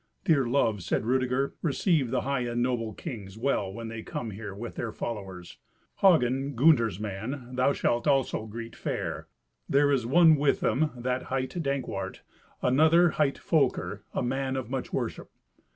"Dear love," said Rudeger, "receive the high and noble kings well when they come here with their followers. Hagen, Gunther's man, thou shalt also greet fair. There is one with them that hight Dankwart; another hight Folker, a man of much worship.